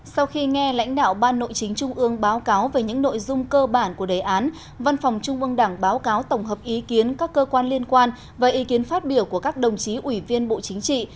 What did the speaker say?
sau khi nghe lãnh đạo ban nội chính trung ương báo cáo về những nội dung cơ bản của đề án văn phòng trung ương đảng báo cáo tổng hợp ý kiến các cơ quan liên quan và ý kiến phát biểu của các đồng chí ủy viên bộ chính trị